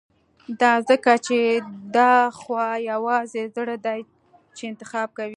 دا ځکه چې دا خو يوازې زړه دی چې انتخاب کوي.